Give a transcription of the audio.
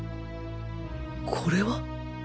これは